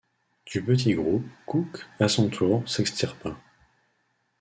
Du petit groupe, Cooke, à son tour, s'extirpa.